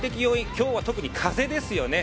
今日は特に風ですよね。